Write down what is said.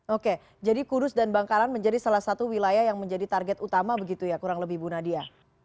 oke jadi kudus dan bangkalan menjadi salah satu wilayah yang menjadi target utama begitu ya kurang lebih bu nadia